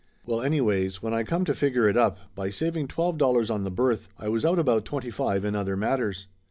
Well anyways, when I come to figure it up, by saving twelve dollars on the berth I was out about twenty five in other matters.